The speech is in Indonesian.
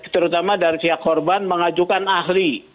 terutama dari pihak korban mengajukan ahli